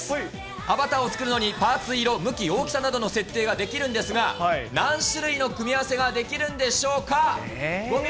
アバターを作るのにパーツ、色、向き、大きさなどの設定ができるんですが、何種類の組み合わせができるんでしょうか。